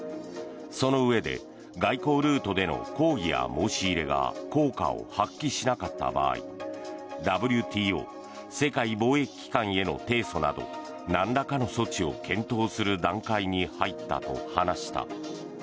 そのうえで外交ルートでの抗議や申し入れが効果を発揮しなかった場合ＷＴＯ・世界貿易機関への提訴などなんらかの措置を検討する段階に入ったと話した。